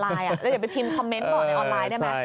แล้วอย่าไปพิมพ์คอมเมนต์บอกในออนไลน์ได้ไหม